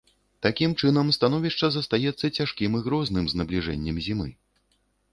Такім чынам, становішча застаецца цяжкім і грозным з набліжэннем зімы.